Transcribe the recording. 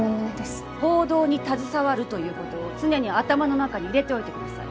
報道に携わるということを常に頭の中に入れておいてください。